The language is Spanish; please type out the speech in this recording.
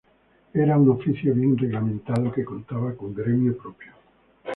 Era un oficio bien reglamentado que contaba con gremio propio.